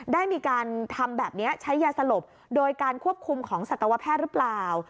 ได้มีการทำแบบนี้ใช้ยาสลบโดยการควบคุมของสัตวแพทย์หรือเปล่า